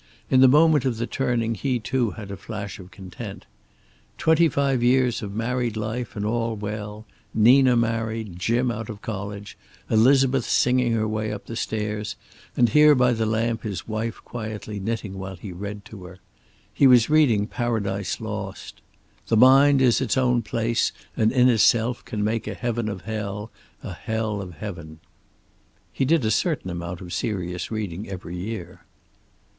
In the moment of the turning he too had a flash of content. Twenty five years of married life and all well; Nina married, Jim out of college, Elizabeth singing her way up the stairs, and here by the lamp his wife quietly knitting while he read to her. He was reading Paradise Lost: "The mind is its own place, and in itself can make a Heaven of Hell, a Hell of Heaven." He did a certain amount of serious reading every year.